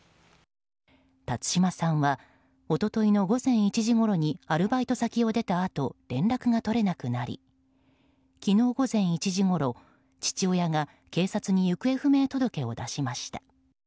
辰島さんは一昨日の午前１時ごろにアルバイト先を出たあと連絡が取れなくなり昨日午前１時ごろ父親が警察に行方不明届を出しました。